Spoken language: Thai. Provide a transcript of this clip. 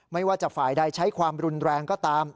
ไม่ว่าจะฝ่ายใดใช้ความรุนแรงก็ตาม